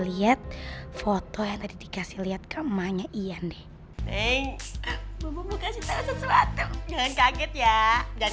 lihat foto yang tadi dikasih lihat ke emaknya ian deh neng bukasin sesuatu jangan kaget ya dan